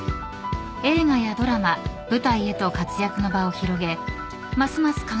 ［映画やドラマ舞台へと活躍の場を広げますます